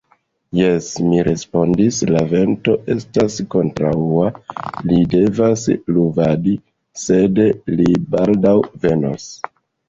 Jes, mi respondis, la vento estas kontraŭa, li devas luvadi, sed li baldaŭ venos.